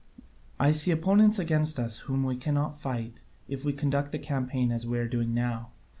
I see opponents against us whom we cannot fight, if we conduct the campaign as we are doing now.